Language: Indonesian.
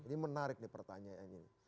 ini menarik nih pertanyaan ini